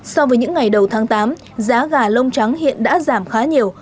so với những ngày đầu tháng tám giá gà lông trắng hiện đã giảm khá nhiều